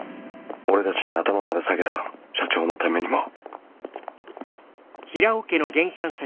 俺たちに頭まで下げた社長のためにも。